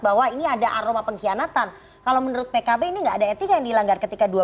bahwa ini ada aroma pengkhianatan kalau menurut pkb ini enggak ada etika yang dilanggar ketika dua